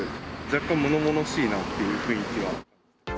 若干ものものしいなっていう雰囲気は。